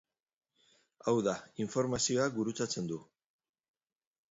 Hau da, informazioa gurutzatzen du.